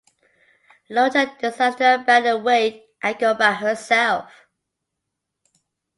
Loretta decides to abandon Wade and go by herself.